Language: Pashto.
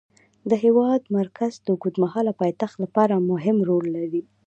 د هېواد مرکز د اوږدمهاله پایښت لپاره مهم رول لري.